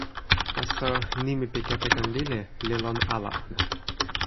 taso, nimi pi kepeken lili li lon ala ona.